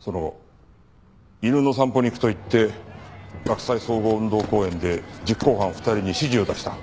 その後犬の散歩に行くと言って洛西総合運動公園で実行犯２人に指示を出した。